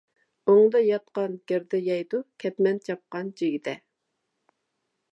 ئوڭدا ياتقان گىردە يەيدۇ، كەتمەن چاپقان جىگدە.